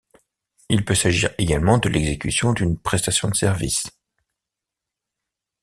Il peut s'agir également de l'exécution d'une prestation de service.